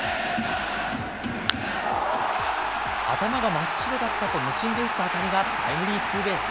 頭が真っ白だったと無心で打った当たりがタイムリーツーベース。